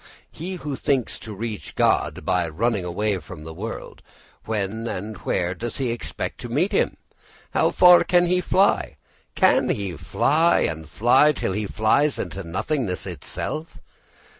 He who thinks to reach God by running away from the world, when and where does he expect to meet him? How far can he fly can he fly and fly, till he flies into nothingness itself?